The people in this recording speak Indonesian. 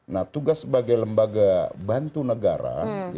nah tugas sebagai lembaga bantu negara